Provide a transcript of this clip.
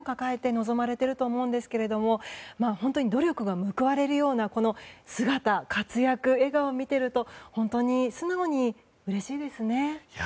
本当にコロナ禍で選手の皆さんはいろんな思いを抱えて臨まれていると思うんですけれども本当に努力が報われるような姿、活躍、笑顔を見ていると本当に素直にうれしいですね。